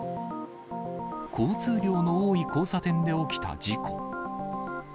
交通量の多い交差点で起きた事故。